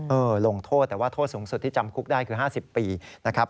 ลงโทษแต่ว่าโทษสูงสุดที่จำคุกได้คือ๕๐ปีนะครับ